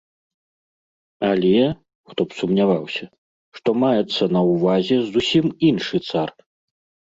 Але, хто б сумняваўся, што маецца на ўвазе зусім іншы цар.